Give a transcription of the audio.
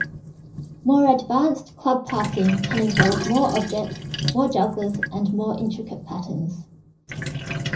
More advanced club passing can involve more objects, more jugglers and more intricate patterns.